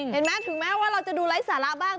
เห็นไหมถึงแม้ว่าเราจะดูไร้สาระบ้าง